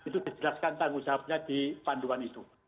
dan dijelaskan tanggung jawabnya di panduan itu